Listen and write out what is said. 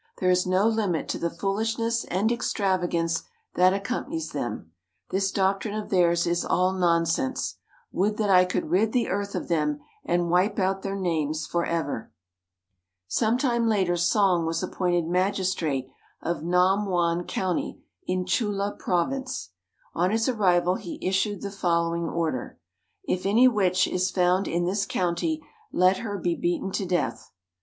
There is no limit to the foolishness and extravagance that accompanies them. This doctrine of theirs is all nonsense. Would that I could rid the earth of them and wipe out their names for ever." Some time later Song was appointed magistrate of Nam Won County in Chulla Province. On his arrival he issued the following order: "If any witch is found in this county, let her be beaten to death."